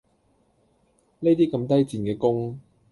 呢啲咁低賤嘅工